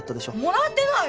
もらってない！